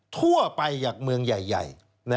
ทั่วไปจากเมืองใหญ่